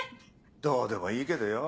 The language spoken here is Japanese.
どうでもいいけどよ。